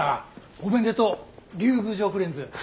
おめでとう竜宮城フレンズ。